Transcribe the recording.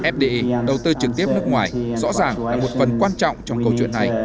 fdi đầu tư trực tiếp nước ngoài rõ ràng là một phần quan trọng trong câu chuyện này